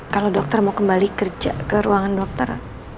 kalau dokter mau kembali kerja ke ruangan dokter